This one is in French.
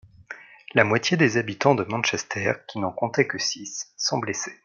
La moitié des habitants de Manchester, qui n'en comptait que six, sont blessés.